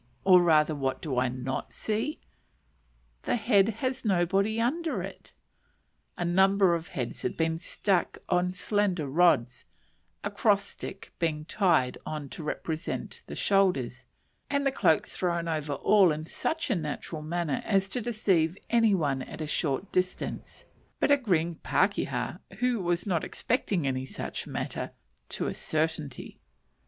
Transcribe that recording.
or rather what do I not see? The head has nobody under it! A number of heads had been stuck on slender rods, a cross stick being tied on to represent the shoulders, and the cloaks thrown over all in such a natural manner as to deceive any one at a short distance; but a green pakeha, who was not expecting any such matter, to a certainty.